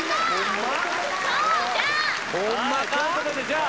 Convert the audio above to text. ・ホンマ？ということでじゃあ。